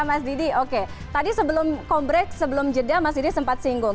mas didi tadi sebelum kombrek sebelum jendah mas didi sempat singgung